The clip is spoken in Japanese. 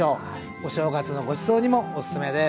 お正月のごちそうにもおすすめです。